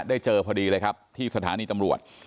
เจอพอดีเลยครับที่สถานีตำรวจ